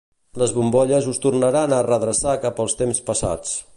Les bombolles us tornaran a redreçar cap als temps passats.